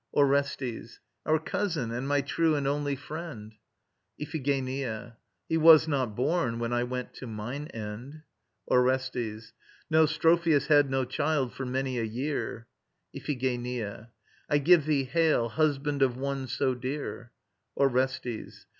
ORESTES. Our cousin, and my true and only friend. IPHIGENIA. He was not born, when I went to mine end. ORESTES. No, Strophios had no child for many a year. IPHIGENIA. I give thee hail, husband of one so dear. ORESTES.